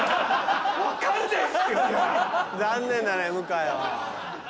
残念だね向井は。